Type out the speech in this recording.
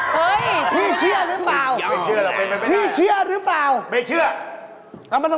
เฮ้ยพี่เชื่อหรือเปล่าพี่เชื่อหรือเปล่าไม่เชื่อเอามาส่ง